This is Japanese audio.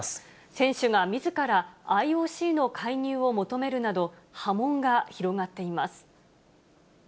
選手がみずからＩＯＣの介入を求めるなど、波紋が広がっています。